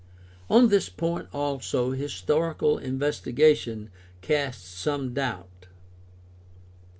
On this point also historical investigation casts some doubts.